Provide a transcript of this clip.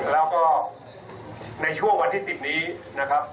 แล้วก็ในช่วงวันที่๑๐นี้นะครับ